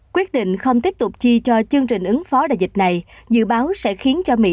quyết định không tiếp tục chi cho chương trình ứng phó đại dịch này dự báo sẽ khiến cho mỹ